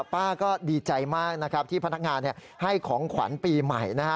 ป้าก็ดีใจมากนะครับที่พนักงานให้ของขวัญปีใหม่นะฮะ